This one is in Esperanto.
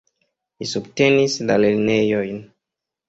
Li subtenis la lernejojn.